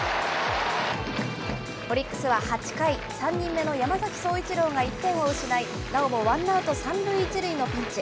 オリックスは８回、３人目の山崎颯一郎が１点を失い、なおもワンアウト３塁１塁のピンチ。